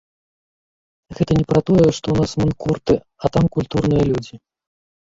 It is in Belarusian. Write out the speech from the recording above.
Гэта не пра тое, што ў нас манкурты, а там культурныя людзі.